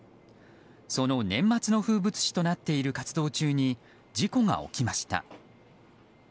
その年末の風物詩となっている活動中に事故が起きました。